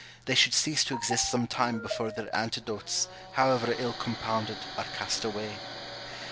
They should cease to exist some time before their antidotes, however ill compounded, are cast away.